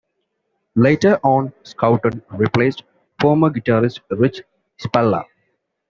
Later on Scouten replaced former guitarist Rich Spalla.